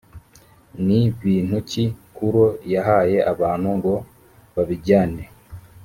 ni bintu ki kuro yahaye abantu ngo babijyane?